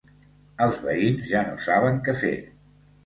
Els veïns ja no saben què fer.